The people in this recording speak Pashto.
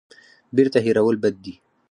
بیرته هېرول بد دی.